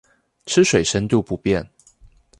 吃水深度不變